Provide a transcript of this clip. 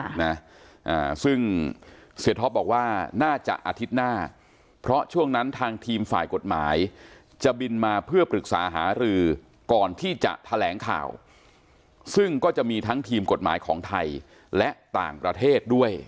นะอ่าซึ่งเสียท็อปบอกว่าน่าจะอาทิตย์หน้าเพราะช่วงนั้นทางทีมฝ่ายกฎหมายจะบินมาเพื่อปรึกษาหารือก่อนที่จะแถลงข่าวซึ่งก็จะมีทั้งทีมกฎหมายของไทยและต่างประเทศด้วย